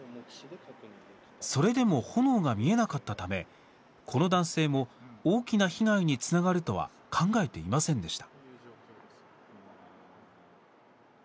それでも炎が見えなかったためこの男性も大きな被害につながるとは考えていませんでした。